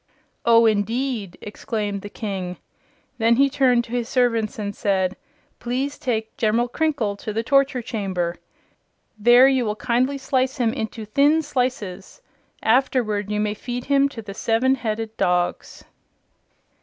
"Oh indeed!" exclaimed the King. Then he turned to his servants and said: "Please take General Crinkle to the torture chamber. There you will kindly slice him into thin slices. Afterward you may feed him to the seven headed dogs."